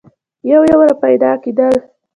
یو یو را پیدا کېدل.